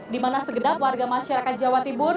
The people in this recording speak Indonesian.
dimana segenap warga masyarakat jawa tibur